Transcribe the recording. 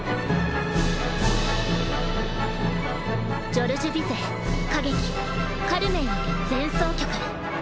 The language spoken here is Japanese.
ジョルジュ・ビゼー歌劇「カルメン」より「前奏曲」。